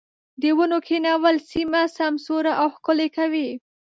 د ونو کښېنول سيمه سمسوره او ښکلې کوي.